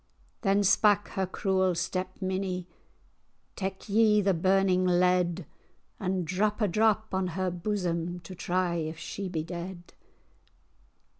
[#] bloom. Then spake her cruel step minnie,[#] "Tak ye the burning lead, And drap a drap on her bosome, To try if she be dead."